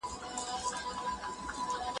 د جمهوری مدرسه د تعلیم د اصل سره بدلون راوړي.